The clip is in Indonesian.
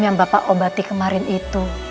yang bapak obati kemarin itu